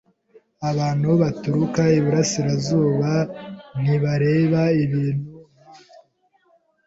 Abantu baturuka iburasirazuba ntibareba ibintu nkatwe.